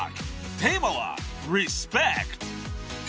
テーマはリスペクト］